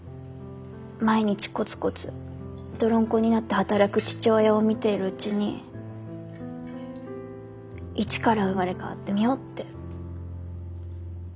毎日コツコツ泥んこになって働く父親を見ているうちに一から生まれ変わってみようって。